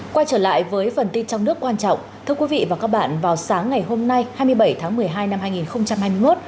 quay trở lại với phần tin trong nước quan trọng thưa quý vị và các bạn vào sáng ngày hôm nay hai mươi bảy tháng một mươi hai năm hai nghìn hai mươi một